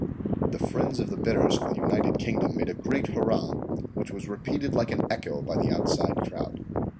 The friends of the bidders for the United Kingdom made a great hurrah, which was repeated like an echo by the outside crowd.